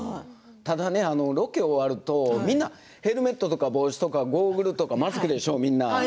ただロケが終わるとみんなヘルメットとか帽子とかゴーグルとかマスクでしょうみんな。